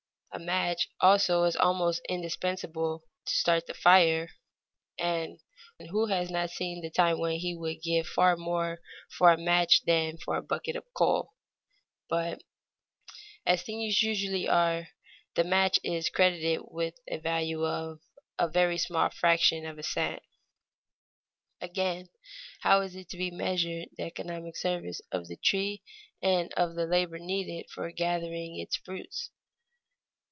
A match also is almost indispensable to start the fire (and who has not seen the time when he would give far more for a match than for a bucket of coal), but as things usually are, the match is credited with a value of a very small fraction of a cent. Again, how is to be measured the economic service of the tree and of the labor needed for gathering its fruits?